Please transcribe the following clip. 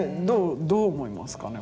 どう思いますかね？